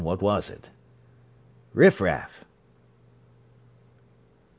What was it?" "Riffraff!"